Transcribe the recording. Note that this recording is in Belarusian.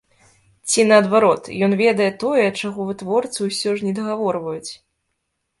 Ці наадварот, ён ведае тое, чаго вытворцы ўсё ж недагаворваюць?